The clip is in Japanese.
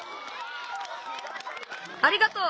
ありがとう。